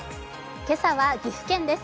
今朝は岐阜県です。